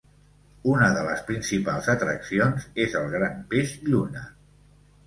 Una de les principals atraccions és el gran peix lluna.